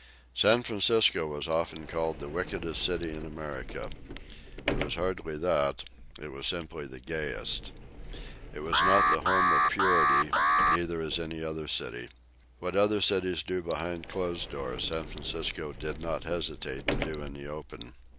San Francisco was often called the wickedest city in America. It was hardly that, it was simply the gayest. It was not the home of purity; neither is any other city. What other cities do behind closed doors San Francisco did not hesitate to do in the open.